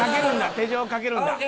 手錠をかけるんだ。